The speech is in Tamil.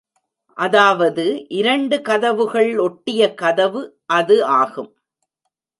அதாவது இரண்டு கதவுகள் ஒட்டிய கதவு அது ஆகும்.